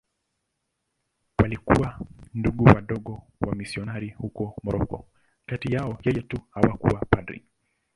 Walikuwa Ndugu Wadogo wamisionari huko Moroko.Kati yao yeye tu hakuwa padri.